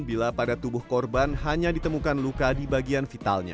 bila pada tubuh korban hanya ditemukan luka di bagian vitalnya